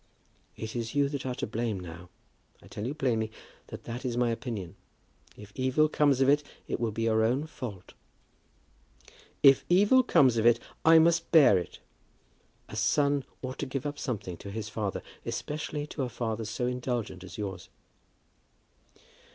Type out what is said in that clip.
"It is you that are to blame now. I tell you plainly that that is my opinion. If evil comes of it, it will be your own fault." "If evil come of it I must bear it." "A son ought to give up something to his father; especially to a father so indulgent as yours."